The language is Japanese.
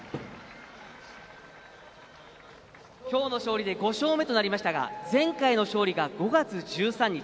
今日の勝利で５勝目となりましたが前回の勝利が５月１３日。